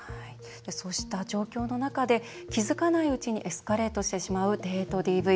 そうした状況の中で気付かないうちにエスカレートしてしまうデートＤＶ。